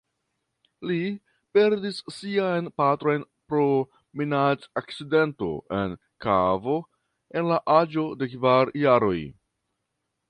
Li perdis sian patron pro minadakcidento en kavo en la aĝo de kvar jaroj.